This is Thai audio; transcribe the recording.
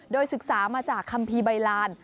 โดยศึกษามาจากคัมภีร์ใบลาน